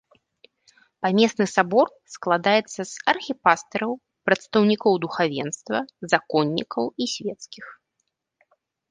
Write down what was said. Памесны сабор складаецца з архіпастыраў, прадстаўнікоў духавенства, законнікаў і свецкіх.